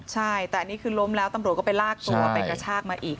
ใช่แต่อันนี้คือล้มแล้วตำรวจก็ไปลากตัวไปกระชากมาอีก